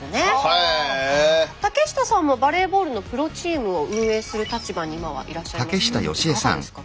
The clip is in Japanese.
竹下さんもバレーボールのプロチームを運営する立場に今はいらっしゃいますけれどいかがですか？